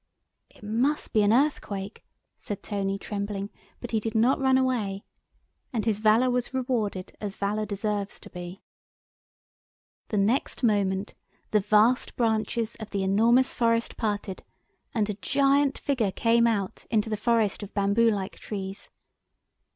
"It must be an earthquake," said Tony, trembling, but he did not run away. And his valour was rewarded as valour deserves to be. The next moment the vast branches of the enormous forest parted, and a giant figure came out into the forest of bamboo like trees.